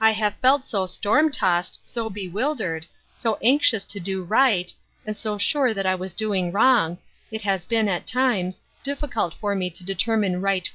1 have felt so storm tossed, so bewildered, so anxious to do right, and so sure that I was doing wrong, it has been, at times, difficult for me to determine right /ro?